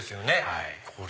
はい。